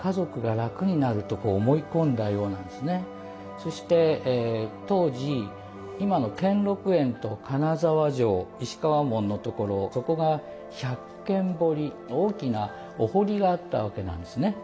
そして当時今の兼六園と金沢城石川門のところそこが百間堀大きなお堀があったわけなんですね。